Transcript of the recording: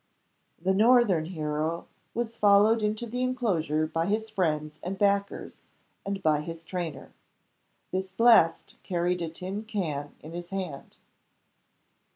The northern hero was followed into the inclosure by his friends and backers, and by his trainer. This last carried a tin can in his hand.